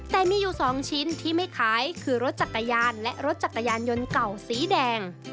แต่มีอยู่๒ชิ้นที่ไม่ขายคือรถจักรยานและรถจักรยานยนต์เก่าสีแดง